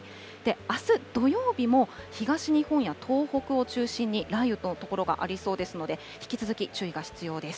あす土曜日も、東日本や東北を中心に雷雨の所がありそうですので、引き続き、注意が必要です。